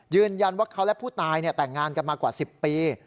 ยืนยันว่าเขาและผู้ตายแต่งงานกันมากว่า๑๐ปี